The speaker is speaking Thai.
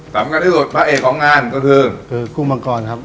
สำคัญที่สุดพระเอกของงานก็คือคือกุ้งมังกรครับ